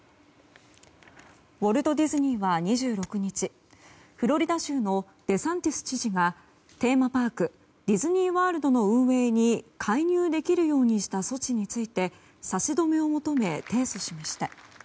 ウォルト・ディズニーは２６日フロリダ州のデサンティス知事がテーマパークディズニー・ワールドの運営に介入できるようにした措置について差し止めを求め、提訴しました。